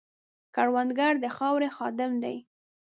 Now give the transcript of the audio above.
کروندګر د خاورې خادم دی